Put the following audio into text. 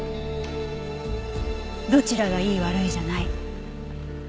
どちらがいい悪いじゃない。